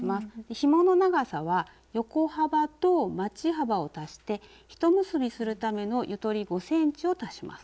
ひもの長さは横幅とまち幅を足して一結びするためのゆとり５ｃｍを足します。